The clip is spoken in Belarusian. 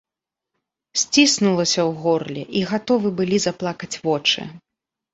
Сціснулася ў горле, і гатовы былі заплакаць вочы.